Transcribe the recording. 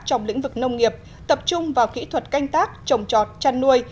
trong lĩnh vực nông nghiệp tập trung vào kỹ thuật canh tác trồng trọt chăn nuôi